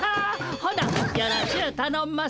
ほなよろしゅうたのんます。